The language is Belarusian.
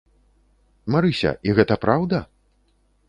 Марыся, і гэта праўда?